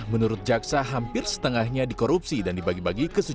menurut jaksa hampir setengahnya dikorupsi dan dibagi bagi keseluruhan